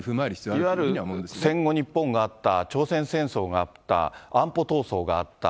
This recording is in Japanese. いわゆる戦後日本があった、朝鮮戦争があった、安保闘争があった。